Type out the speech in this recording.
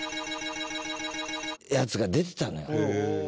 やつが出てたのよ。